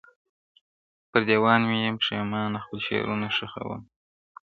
پر دېوان مي یم پښېمانه خپل شعرونه ښخومه-